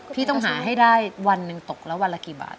พี่ต้องหาให้ได้วันหนึ่งตกแล้ววันละกี่บาท